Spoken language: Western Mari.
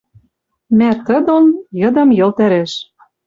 Мӓ Т. дон йыдым Йыл тӹрӹш